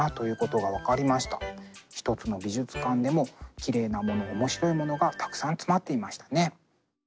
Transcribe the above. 一つの美術館でもきれいなもの面白いものがたくさん詰まっていましたね。